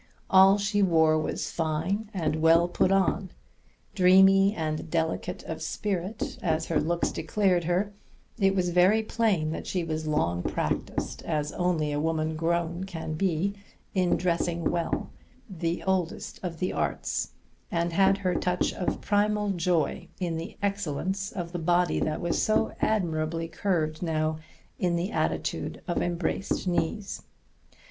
All she wore was fine and well put on. Dreamy and delicate of spirit as her looks declared her, it was very plain that she was long practised as only a woman grown can be in dressing well, the oldest of the arts, and had her touch of primal joy in the excellence of the body that was so admirably curved now in the attitude of embraced knees.